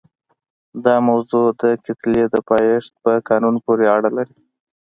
دا موضوع د کتلې د پایښت په قانون پورې اړه لري.